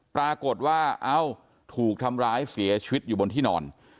ปรากฏว่าเอ้าถูกทำร้ายเสียชีวิตอยู่บนที่นอน